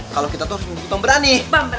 kalau kita tuh harus membutuhkan berani